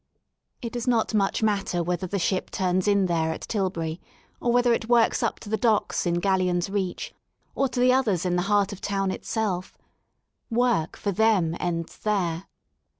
It does not much matter whether the ship turns in there at Tilbury or whether it works up to the docks in Gallions Reach, or to the others in the heart of town itself* Work for them ends there.